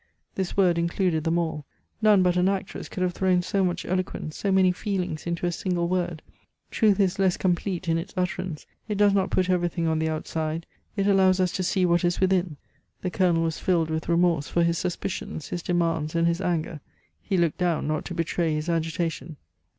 This word included them all; none but an actress could have thrown so much eloquence, so many feelings into a single word. Truth is less complete in its utterance; it does not put everything on the outside; it allows us to see what is within. The Colonel was filled with remorse for his suspicions, his demands, and his anger; he looked down not to betray his agitation.